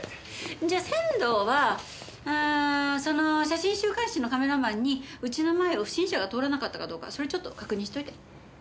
じゃあ仙堂はうーんその写真週刊誌のカメラマンにうちの前を不審者が通らなかったかどうかそれちょっと確認しといて。